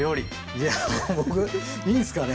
いや僕いいんですかね？